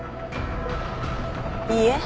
いいえ。